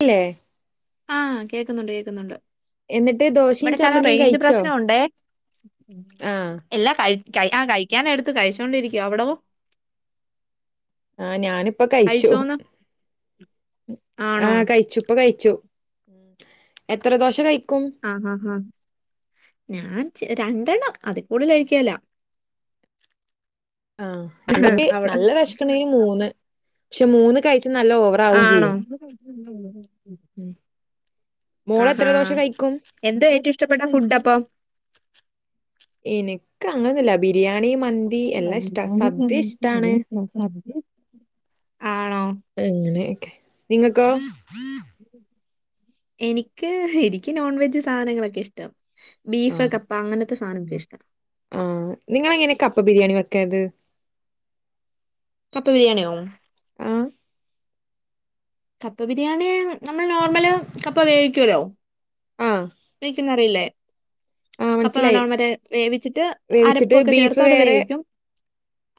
അല്ലേ ആഹ കേക്കുന്നുണ്ട് കേൾക്കുന്നുണ്ട് എന്നിട്ട് ദോശയും ഇവിടെ ചാന ചമ്മന്തിയും റേഞ്ച് കഴിച്ചോ പ്രശ്നുണ്ട് ആഹ് എല്ലാം കഴ ക ആ കഴിക്കാന എടുത്ത് കഴിച്ചോൊണ്ടിരിക്കുവോ അവിടവോ ആഹ ഞാനിപ്പ കഴിച്ചു കഴിച്ചോന്ന് ആണോ ആഹ കഴിച്ചു കഴ എത്ര ദോശ കഴ ആഹ ആഹ് ആഹ് ഞാൻ രണ്ടെണ്ണം അതി കൂടുതല കഴിക്കുവല ആഹ ഇതക്ക് നല്ല വിശക്കണ്ടെന് മൂന്ന് പക്ഷെ മൂന്ന് കഴ നല്ല ഓവറ ഉം ആണോ ചെയ്യും ആ മോള് എത്ര ആ ദോശ കഴിക്കും എന്താ ഏറ്റു ഇഷ്ടപ്പെട്ട ഫുഡ് അപ്പൊ എനക്ക് അങ്ങനന്നല്ല ബിരിയാ ണി മന്തി എല്ലാം ഇഷ്ട സദ്യ ഇഷ്ടാണ് ആണോ അങ്ങനെയക്കെ നിങ്ങകൊ എനിക്ക് എനിക്ക് നോൺവെജ് സാധനങ്ങളൊക്കെ ഇഷ്ടം ബീഫ് കപ്പ അങ്ങനത്തെ സാധനം കെ ഇഷ്ട ആ നിങ്ങ എങ്ങനെ കപ്പ ബിരിയാണി വെക്കത് അപ്പൊ ബിരിയാണി ഒ ആ കപ്പ ബിരിയാണി നമ്മൾ നോർമല് കപ്പ വേവിക്കല്ലോ ആഹ് ചിക്കന്നറിയില്ലേ ആഹ് കപ്പ മനസ്സിലായി നല്ലവണ്ണം വരെ വേവിച്ചിട്ട് വേവിച്ചിട്ട് അരപ്പൊക്കെ ചേർത്ത് ബീഫ് അത് വേറെ വേവിക്കും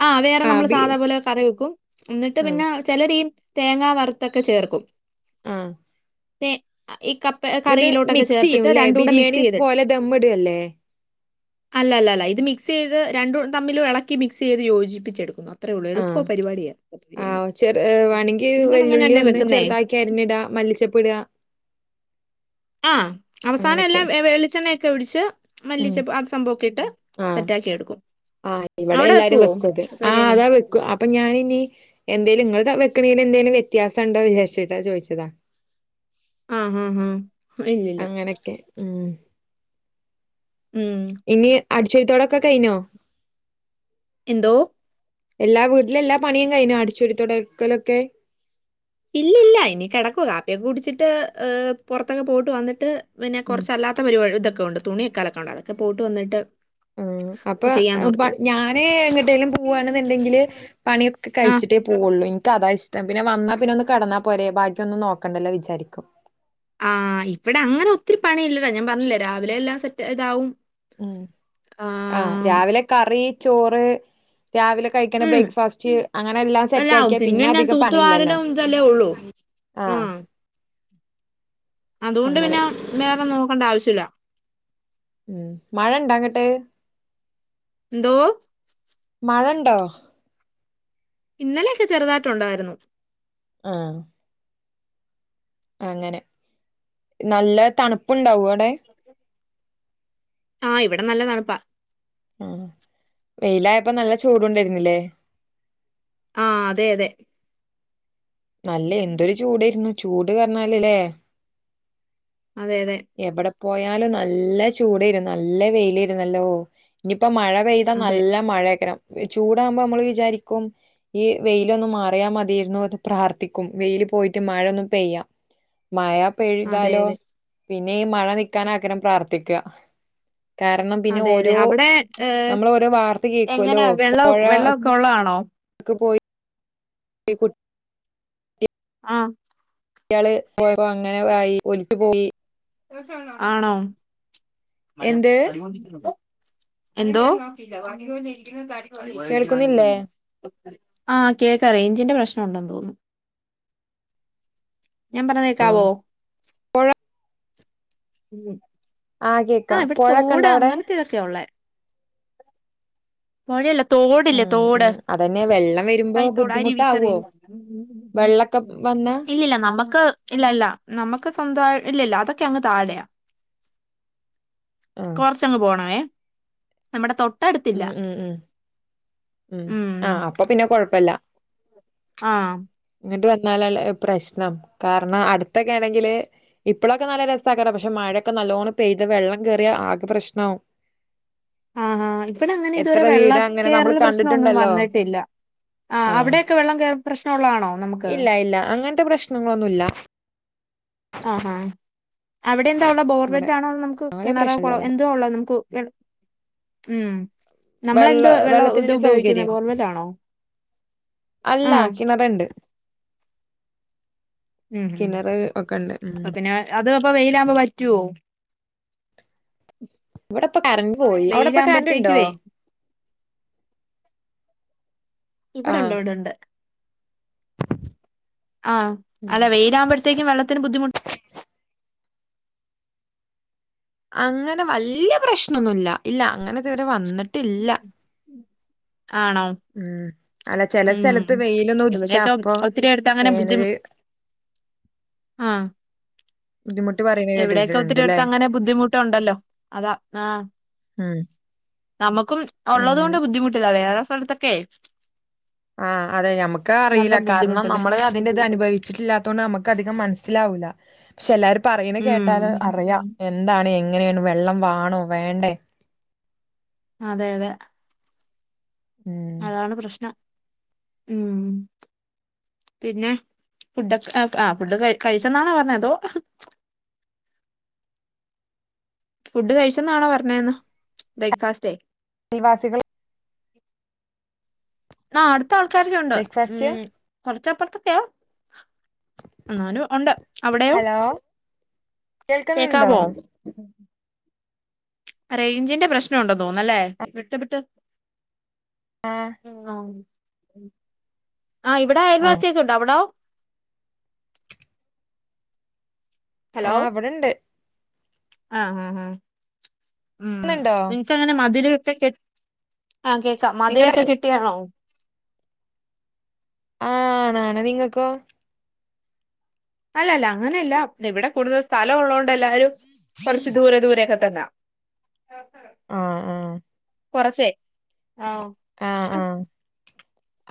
ആ വേറെ ആഹ് നമ്മള് ബീ സാധാ പോലെ കറി വെക്കും എന്നിട്ട് ആഹ് പിന്നെ ചിലരയും തേങ്ങാ വറുത്തൊക്കെ ചേർക്കും ആ [unintelligible] ഈ കപ്പ കറിയിലോട്ടൊക്കെ ചേർത്തിട്ട് ചെയ്യുംല്ലേ രണ്ട കൂടെ മിക്സ് ബിരിയാണി ചെയ്തടു പോലെ ദമ്മിടല്ലേ അല്ലല്ല അല്ല ഇത് മിക്സ് ചെയ്ത് രണ്ടും തമ്മിലും ഇളക്കി മിക്സ് ചെയ്ത് യോജിപ്പിച്ചെടുക്കുന്നു ത്ര ഉള്ളു ആഹ് എളുപ്പ പരിപാടിയണ കപ്പ ബിരിയാണി നിങ്ങൾ ുള്ളി അങ്ങനെയല്ലേ ഒന്ന് വെക്കുന്നേ ചെറുതാക്കി അരിഞ്ഞിട മല്ലിച്ചപ്പെടുക ആ അവസാനം എല്ലാം വെളിച്ചെണ്ണയൊക്കെ ഒടിച്ച് ഉം മല്ലിച്ച അത് സംഭവൊക്കെ ഇട്ട് സെറ്റാകിടുക്കും ആ ഇവിടെ എല്ലാരും വെക്കത് കപ്പ ആഹ് അതാ ബിരിയാണി വെക്കും അപ്പൊ ഞാന ഇ എന്തേലും ഇങ്ങ കണീന് എന്തേങ്കിലും വ്യത്യാസം ഉണ്ടോ വിചാരിച്ചിട്ടാ ചോദിച്ചതാ ആഹ് ആഹ് ആഹ് ഇന്നില്ല അങ്ങനൊക്കെ ഉം ഉം അടചൊരി തൊടക്ക കൈനോ എന്തോ എല്ലാ വീട്ടിലും എല്ലാ പണിയും കഴിഞ്ഞു അടിച്ചുരുത്തടക്കലൊക്കെ ഇല്ല ഇല്ല ഇനി കിടക്കുവ കാപ്പിയൊക്കെ കുടിച്ചിട്ട് എ പുറത്തൊക്കെ പോയിട്ട് വന്നിട്ട് പിന്നെ ഉം കുറച്ചല്ലാത്ത പരിപാടി ഇതെക്കെ ഉണ്ട് തുണി അലക്കാനുണ്ട് അതൊക്കെ പോയിട്ട് വന്നിട്ട് ഉം അപ്പൊ ചെയ്യാന്നോർത്തു. ഞാന് എങ്ങട്ടേലും പോവാണെന്നുണ്ടെങ്കില് പണിയൊക്കെ ആഹ് കഴിച്ചിട്ടേ പോവുള്ളൂ ഇൻ ക് അതാ ഇഷ്ടം പിന്നെ വന്നാ പിന്നെ ഒന്ന് കടന്നാ പോരെ ബക്കി ഒന്നു നോക്കണ്ടല്ലോ വിചാരിക്കും നോക്കണ്ടല്ലോ വിചാരിക്കും ആഹ് ഇവിടെ അങ്ങനെ ഒത്തിരി പണി ഇല്ലടാ ഞാൻ പറഞ്ഞില്ലേ രാവിലെ എല്ലാം സെറ്റ് ഇതാവും ഉം ആഹ് രാവിലെ കറി ചോറ് രാവിലെ കഴിക്കണ ഉം ബ്രേക്ക്ഫാസ്റ്റ് അങ്ങനെ എല്ലാം സെറ്റ് എല്ലാവും ആക്കിയാ പിന്നെ ഞാൻ അധികം പണിയില്ലല്ലോ തൂത്തുവാരലും ഇതല്ലേ ഉള്ളൂ ആ ആഹ് അതുകൊണ്ട് പിന്നെ വേറെ നോക്കണ്ട ആവശ്യില്ല ഉം മഴ ഇണ്ടാങ്ങട്ടെ എന്തോ ണ്ടോ ഇന്നലെയൊക്കെ ചെറുതായിട്ട ഉണ്ടായിരുന്നു ആ അങ്ങനെ നല്ല തണുപ്പുണ്ടാവു [inaudible] ആ് ഇവിടെ നല്ലതാണുപ്പാ ആഹ് വെയിലായപ്പോ നല്ല ചൂടുണ്ടായിരുന്നില്ലേ ആഹ് അതെ അതെ നല്ല എന്തൊരു ചൂടേര്ന്നു ചൂട് കാരണലല്ലേ അതെ അതെ പോയാലും നല്ല ചൂടേന്നു നല്ല വെയിലാരുന്നല്ലോ ഇനിയിപ്പോ മഴ പെയ്താ അതെ നല്ല മഴയേക്കരം ചൂടാകുമ്പോ നമ്മള് വിചാരിക്കും ഈ വെയിലൊന്ന് മാറിയാൽ മതിരുന്നു അത് പ്രാർത്ഥിക്കും വെയില് പോയിട്ട് മഴൊന്നും പെയ്യ മഴ അതെ പെയ്താലോ അതെ പിന്ന പിന്നെ മഴ നിക്കാനാക്കനും പ്രാർത്ഥിക്കാ കാരണം പിന്നെ അതെ അതെ ഓരോ അവിടെ ഏഹ് നമ്മൾ ഓരോ വാർത്ത കേൾക്കുല്ലോ എങ്ങനാ വെള്ള പോഴ വെള്ളമൊക്കെ ഉള്ളതാണോ പോയി [unintelligible] ആഹ് കുട്ട്യോള്പോയപ്പോ അങ്ങനെ ആയി ഒലിച്ചു പോയി ആണോ എന്ത് എന്തോ കേൾക്കുന്നില്ലേ [unintelligible] ആഹ് കേക്ക റേഞ്ചിന്റെ പ്രശ്നം ഉണ്ടെന്ന് തോന്നുന്നു ഞാൻ ആ പറനേക്കാവോ ഉം ആ ആഹ് കേക്കാം ഇവിടെ പുഴൊക്കെ തോട് ഇണ്ട അവിടെ അങ്ങനത്തെ ഇതൊക്കെയ ഉള്ളേ പൊഴയല്ല തോടില്ലേ ഉം തോട് ഉം അതന്നെ വെള്ളം വരുമ്പോ കൈത്തോട് അരുവി ചെറിയ ബുദ്ധിമുട്ടാവോ വെള്ളക്കൊ വന്നാ ഇല്ലില്ല നമുക്ക് ഇല്ല ഇല്ല നമ്മുക്ക് സ്വന്തമായി ഇല്ലില്ല അതൊക് അങ്ങ് താഴയാ ആഹ് കൊറച്ചങ്ങ് പോണേ വേ നമ്മുടെ തൊട്ടടുത്തില്ല ഉം ഉം ഉം ഉം ആഹ് അപ്പൊ പിന്നെ കൊഴപ്പില്ല ആഹ് ഇന്നാലെല്ലെ പ്രശ്‌നം കാരണം അടുത്തേക്കേണങ്കിൽ ഇപ്പളൊക്കെ നല്ല രസക്കരും പക്ഷേ മഴക്കെ നല്ല നല്ലോണ് പെയ്ത വെള്ളം കേറിയ ആകെ പ്രശനാവും ആഹ് ആ ഇവടെ അങ്ങനെ ഇതുവരെ എത്ര വീടാ അങ്ങനെ നമ്മള് വെള്ളക്കയറൽ പ്രശ്നമൊന്നും കണ്ടിട്ടുണ്ടല്ലോ വന്നട്ടില്ല ആ ആഹ് അവിടെയൊക്കെ വെള്ളം കേറൽ പ്രശ്നംള്ളതാണോ നമുക്ക് ഇല്ല അങ്ങനത്തെ പ്രശ്നങ്ങളൊന്നുല്ല ഇല്ല ആഹ് ഹാ അവിടെ എന്താഒള്ള ഇവിടെ ബോർവെൽ ആണോ നമുക്ക് അങ്ങനെ കിണറോ പ്രശ്നല്ല കുളോ ഇവിടെ എന്തോ ഉള്ള നമുക്ക് വെള്ള നമ്മളെന്തോ വെള്ളം ഇത് വെള്ളത്തിനുള്ള ഉപയോഗിക്കുന്നത് സൗകര്യം ബോർവലാണോ അല്ല കിണറിണ്ട് ഉം ഹം കിണറ് ഒക്കെണ്ട് ഉം അപ്പൊ പിന്നെ അത് വെയിലവുമ്പോ വറ്റോ ഇവിടെപ്പ കരണ്ട് പോയി അവിടെപ്പ കരണ്ട് ഇണ്ടോ വെയിലാകുമ്പോഴത്തേക്കുവേ ആഹ് ഇവിടെണ്ട് ഇവിടെണ്ട് ആ ഉം അല്ല വെയിലാവുമ്പോഴത്തേക്കും വെള്ളത്തിന് ബുദ്ധിമു അങ്ങനെ വല്യയ പ്രശ്നൊന്നുല്ല ഇല്ല അങ്ങനെ ഇതുവരെ വന്നിട്ടില്ല ആണോ ഉം അല്ല ചെല ഉം സ്ഥലത്ത് വെയിലൊന്ന് ഉദിച്ചാ ഇവിടെയൊക്കെ അപ്പൊ ഒത്തിരി അടുത്ത് അങ്ങനെ ബുദ്ധി വേനല് ആഹ് ബുദ്ധിമുട്ട് പറയുന്ന ഇവിടെയൊക്കെ ഒത്തിരി കേട്ടിട്ടുണ്ട്ല്ലേ അടുത്ത് അങ്ങനെ ബുദ്ധിമുട്ടുണ്ടല്ലോ അതാ ആഹ് ഉം നമ്മുക്കും ഉള്ളത് കൊണ്ട് അങ്ങനെ ബുദ്ധിമുട്ടില്ല വേറെ സ്ഥലത്തൊക്കെ ആഹ് അതെ നമുക്ക് നല്ല അറിയില്ല കാരണം ബുദ്ധിമുട്ടല്ലേ നമ്മള് അതിന്റെറ ഇത് അനുഭവിച്ചിട്ടില്ലാത്തുകൊണ്ട് നമുക്ക് അധികം മനസ്സില സിലാവൂല പക്ഷെ എല്ലാരും പറയ ഉം കേട്ടാല് അറിയാം എന്താണ് എങ്ങ എങ്ങനെയാണ് വെള്ളം വാണോ വേണ്ടേ അതെ അതെ ഉം അതാണ് പ്രശ്നം ഉം പിന്നെ ഫുഡ്ഒക്കെ ആ ഫുഡ് ക കഴിച്ചെന്നാണോ പറഞ്ഞ അതോ [unintelligible] ഫുഡ് കഴിച്ചന്നാണോ പറഞ്ഞെന്ന ബ്രേക്ക്ഫാസ്റ്റേ അൽവാസികൾ ആ അടുത്ത ആൾക്കാരൊക്കെ ഒണ്ട് ബ്രേക്ക്ഫാസ്റ്റ് ഉം കൊറച്ചപ്പറത്തൊക്കെയാ എന്നാലും ഒണ്ട് അവിടയോ ഹലോ കേൾക്കുന്നുണ്ടോ റേഞ്ചിന്റെ പ്രശ്നം ഒണ്ടന്ന് തോന്നല്ലേ വിട്ട് വിട്ട് ആഹ് ആ ഇവിടെ അയൽവാസിയൊക്കെ ഒണ്ട് അവിടോ ഹലോ ആഹ് ഇവിട്ണ്ട് ആഹ് ആ ആ ഉം കേക്കുന്നുണ്ടോ നിങ്ങക്കങ്ങനെ മതില്ക്കെ കെ ആഹ് കേക്കാം നിങ്ങടെ മതിലൊക്കെ കെട്ടിയതാണോ ആഹ് ആണ് ആണ് നിങ്ങക്കൊ അല്ലല്ല അങ്ങനെയില്ല ഇവിടെ കൂടുതൽ സ്ഥലം ഒള്ളൊണ്ട് എല്ലാരും കൊറച്ച് ദൂരെ ദൂരെ ഒക്കെ [unintelligible] ആഹ് ആഹ് കൊറച്ചേ ആഹ് ആ ആ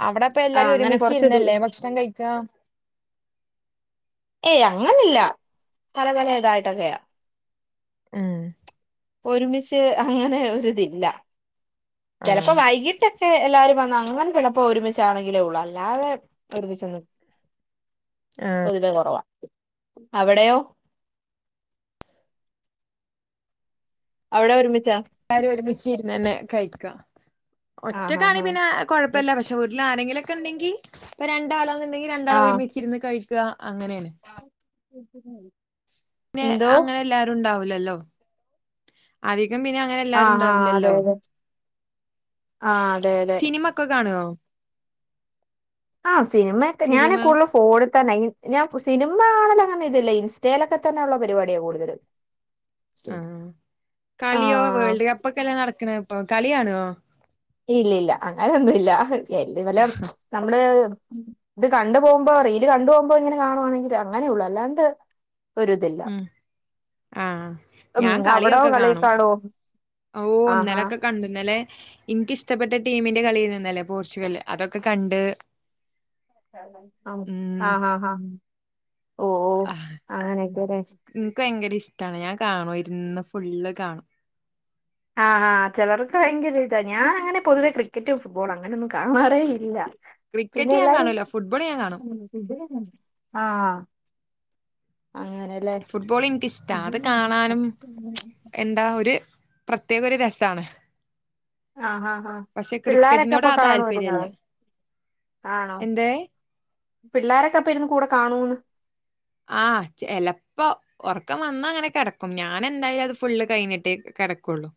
അവിടെ അപ്പ ആഹ് എല്ലാരും അങ്ങനെ കൊറച്ച് ദൂ ഒരുമിച്ചിരുന്നല്ലേ ഭക്ഷണം കഴിക്ക്കാ ഏയ് അങ്ങനില്ല പല പല ഇതായിട്ടൊക്കെയാ ആഹ് ഒരുമിച്ച് അങ്ങനെ ഒരിതില്ല ആഹ് ചെലപ്പോ വൈകിട്ടക്കെ എല്ലാരും വന്ന അങ്ങനെ ചെലപ്പോ ഒരുമിച്ചാണെങ്കിലേ ഒള്ളു അല്ലാതെ ഒരുമിച്ചൊന്നും പൊതുവെ കൊറവാ അവിടയോ അവിടെ ഒരുമിച്ച് കാര് ഒരുമിച്ചിരിന്നന്നെ കഴിക ആഹ് ഒറ്റക്കണേ ആഹ് പിന്നെ ആഹ് കൊഴപ്പില്ല പക്ഷെ വീട്ടിൽ ആരെങ്കിലുക്കെ ഉണ്ടെങ്കി ഇപ്പാ രണ്ടാള ഇണ്ടങ്കി രണ്ടാളും ആഹ് ഒരുമിച്ചിരുന്ന് കഴിക്കുക അങ്ങനെയാണ് [inaudible] പിന്നെ എന്തോ അങ്ങനെ എല്ലാരും ഉണ്ടാവൂലല്ലോ അ പിന്നെ അങ്ങനെ എല്ലാരും ആഹ് ആഹ് അതെ ഉണ്ടാവില്ലല്ലോ അതെ ആഹ് അതെ അതെ സിനിമക്കെ കാണുവോ ആ സിനിമയക്കെ ഞാന് സിനിമ കൂടുതല് ഫോണ് തന്ന ഞാൻ സിനിമ കാണലങ്ങനെ ഇതില്ല ഇൻസ്റ്റലക്കെ തന്നെ ഒള്ള പരിപാടിയാ കൂടുതലും ആഹ് കളിയോ ആഹ് വേൾഡ് കപ്പ് ഒക്കെയല്ലേ നടക്കണെ ഇപ്പൊ കളി കാണുവോ ഇല്ലില്ല അങ്ങനൊന്നുവില്ല [unintelligible] വെല്ലോം നമ്മള് ഇത് കണ്ടു പോകുമ്പോ റീല് കണ്ടു പോകുമ്പോ ഇങ്ങനെ കാണുവാണെങ്കിൽ അങ്ങനെ ഒള്ളു അല്ലാണ്ട് ഒരിതില്ല ഉം ആഹ് ഉം ഞാൻ അവിടോ കളിയൊക്കെ കളി കാണും കാണുവോ ഓ ആഹാ ഇന്നലെക്കെ കണ്ട് ഇന്നലെ എൻക്കിഷ്ടപ്പെട്ട ടീമിന്റെ കളിയാരുന്ന് ഇന്നലെ പോർച്ചുഗല് അതൊക്കെ കണ്ട് ഉം ആഹ് ആഹ് ഓ ഓ അങ്ങനെയക്കെ അല്ലേ എനിക്ക് ഭയങ്കര ഇഷ്ടാണ് ഞാൻ കാണും ഇരുന്ന് ഫുള്ള് കാണും ആഹ് ആഹ് ചെലർക്ക് ഭയങ്കര ഇതാ ഞാൻ അങ്ങനെ പൊതുവെ ക്രിക്കറ്റ് ഫുട്ബോളും അങ്ങനെയൊന്നും കാണാറേ ഇല്ല ക്രിക്കറ്റ് ഞാൻ പിന്നെല്ലാരും കാണൂല. ഫുട്ബോള് ഞാൻ കാണും. ആഹ് അങ്ങനെല്ലേ ഫുട്ബോൾ എനിക്കിഷ്ടാ അത് കാണാനും എന്താ ഒര് പ്രത്യേക ഒരു രസാണ് ആഹ് ഹാ ഹാ പക്ഷെ പിള്ളോരൊക്കെ ക്രിക്കറ്റിനോട് അപ്പൊ ആ കാണുവായിരുന്നോ താല്പര്യല്ല എന്തേ പിള്ളോരക്കെ അപ്പം ഇരുന്ന് കൂടെ കാണുവോന്ന് ആഹ് ചെലപ്പോ ഒറക്കം വന്നാ അങ്ങനെ കെടക്കും ഞാൻ എന്തായാലും അത് ഫുള്ള് കഴിഞ്ഞിട്ടേ കെടക്കുള്ളു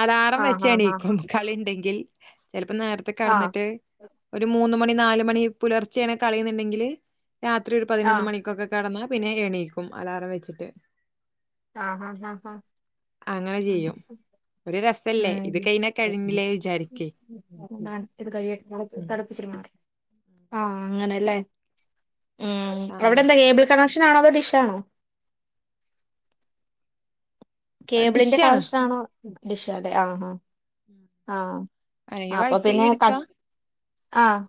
അലാറം ആഹ് വെച്ച് ഹാ എണീക്കും കളി ഇണ്ടെങ്കിൽ ചെലപ്പോ നേരത്തെ ഹാ ആഹ് കേടന്ന്ട്ട് രാത്രി ഒരു പതിനൊന്ന് ആഹ് മണിക്കൊക്കെ കേടന്നാ പിന്നെ എണീക്കും അലാറം വെച്ചിട്ട് ആഹാ ഹാ ഹാ അങ്ങനെ ചെയ്യും ഒര് രസല്ലേ ഇത് കഴിഞ്ഞ [inaudible] ഉം [unintelligible] ആഹ് അങ്ങനെല്ലേ ഉം ആഹ് അവിടെന്താ കേബിൾ കണക് ക്ഷനാണോ അതോ ഡിഷാണോ കേബിളിന്റെ ഡിഷാണ് കണക്ഷൻ ആണോ ഡിഷാല്ലേ ആ ആ ആഹ് അല്ലെങ്കി അപ്പൊ വൈഫൈ പിന്നെ കട്ട് എടുക്കാം ആഹ്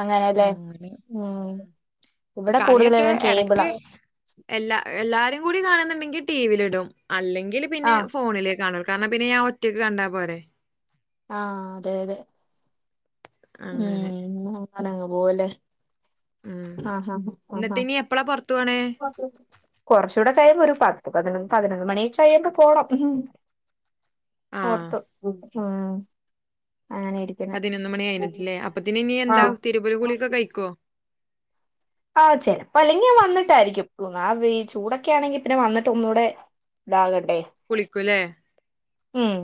അങ്ങനെല്ലേ ഉം ഇവിടെ കൂടുതലും കളിയൊക്കെടക്ക് കേബിളാ എല്ലാ എല്ലാരും കൂടി കാണുന്ന്ണ്ടെങ്കി ടിവിലിടും അല്ലെങ്കിൽ പിന്നെ ആഹ് ഫോണിലേ കാണൂ കാരണം പിന്നെ ഞാൻ ഒറ്റക്ക് കണ്ടാ പോരെ ആഹ് അതെ അതെ അങ്ങനെ ഉം അങ്ങനങ്ങ് പോവുല്ലേ ഉം ആഹ് ഹാ ഹാ എന്നിട്ട് ഇനി എപ്പളാ പൊറത്ത് പോണേ കൊറ ച്ചൂടെ കഴിയുമ്പോ ഒരു പത്ത് പതിനൊന്ന് പതിനൊന്ന് മണിയൊക്കെ കഴിയുമ്പോ പോണം ആഹ് ഓർത്തു ഉം അങ്ങനെ ഇരിക്ക്ണേ [unintelligible] ട്ടില്ലേ അപ്പോത്ത്ന് ഇനി എന്താ തിര്മ്പലും കുളിയൊക്കെ കഴിക്കോ ആഹ് ചെലപ്പോ അല്ലെങ്കി വന്നിട്ടായിരിക്കും ഒന്നാമത് ഈ ചൂടൊക്കെ ആണെങ്കി പിന്നെ വന്നിട്ട് ഒന്നൂടെ ഇതാക ണ്ടെ കുളിക്കൂല്ലേ ഉം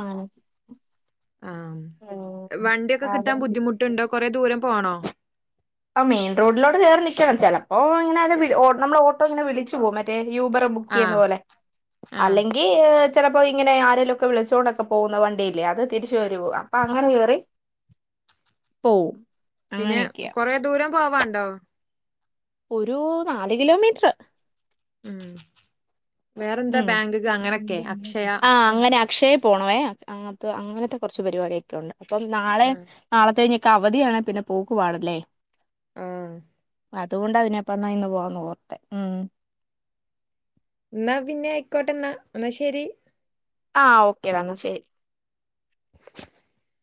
അങ്ങനെ ആഹ് വണ്ടിയൊക്കെ അതെ കിട്ടാൻ ബുദ്ധിമുട്ടുണ്ടോ കൊറെ ദൂരം പോണോ ആ മെയിൻ റോഡിലോട്ട് കേറി നിക്കണം ചെലപ്പോ ഇങ്ങനെ ആര് നമ്മള് ഓട്ടോ ഇങ്ങനെ വിളിച്ചു പോകും മറ്റേ യൂബർ ബുക്ക് ചെയ്യുന്ന ആഹ് പോലെ ആഹ് അല്ലെങ്കി ഏ ചിലപ്പോ ഇങ്ങനെ ആരേലും ഒക്കെ വിളിച്ചോണ്ടൊക്കെ പോകുന്ന വണ്ടിയില്ലേ അത് തിരിച്ചു വരുവോ അപ്പൊ അങ്ങനെ കേറി പോവും പിന്നെ അങ്ങനെയൊക്കെയാ കൊറേ ദൂരം പോവാൻണ്ടോ ഒരു നാല് കിലോമീറ്ററ് ഉം വേറെന്താ ഉം ബാങ്ക്ക്ക് അങ്ങനൊക്കെ അക്ഷയ ആഹ് അങ്ങനെ അക്ഷയേ പോണവേ അങ്ങത്ത് അങ്ങനത്തെ കുറച്ച് പരിപാടിയൊക്കെ ഉണ്ട് അപ്പം നാളെ ആഹ് നാളെത്തെ കഴി അവധിയാണെ പിന്നെ പോക്കു പാടല്ലേ ആഹ അതുകൊണ്ട അവനെപ്പഞ്ഞ ഇന്ന് പോന്നു പോഓർത്തെ ഉം എന്നാ പിന്നെ ആയിക്കോട്ടെ എന്നാ എന്നാ ശരി ആഹ് ഓക്കെടാ ന്ന ശരി [unintelligible]